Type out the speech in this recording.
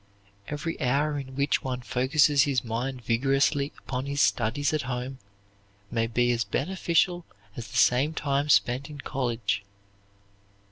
Every hour in which one focuses his mind vigorously upon his studies at home may be as beneficial as the same time spent in college.